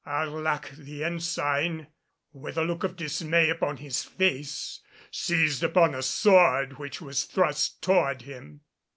Arlac the Ensign, with a look of dismay upon his face, seized upon a sword which was thrust toward him.